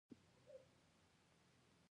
د سړي ژبه ډېره خوږه وه.